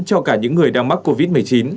cho cả những người đang mắc covid một mươi chín